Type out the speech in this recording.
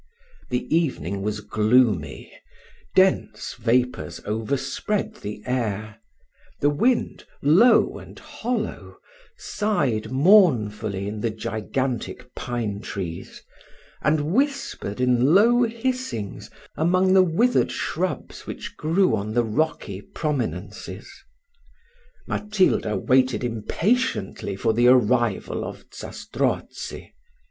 The evening was gloomy, dense vapours overspread the air; the wind, low and hollow, sighed mournfully in the gigantic pine trees, and whispered in low hissings among the withered shrubs which grew on the rocky prominences. Matilda waited impatiently for the arrival of Zastrozzi.